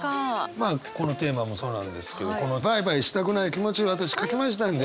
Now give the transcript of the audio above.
まあこのテーマもそうなんですけどこのバイバイしたくない気持ち私書きましたんで。